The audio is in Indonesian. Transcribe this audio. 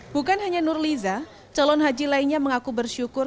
bukan hanya nurliza calon haji lainnya mengaku bersyukur